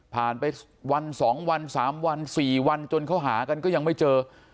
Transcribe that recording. ผ่านไปวัน๒วัน๓วัน๔วันจนเขาหากันก็ยังไม่เจอ